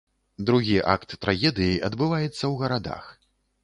Другі акт трагедыі адбываецца ў гарадах.